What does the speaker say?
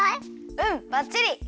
うんばっちり！